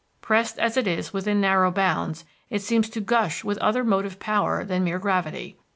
Pressed as it is within narrow bounds, it seems to gush with other motive power than merely gravity.